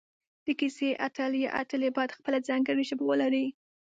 د کیسې اتل یا اتلې باید خپله ځانګړي ژبه ولري